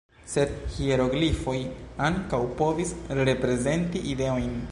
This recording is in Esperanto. Sed hieroglifoj ankaŭ povis reprezenti "ideojn".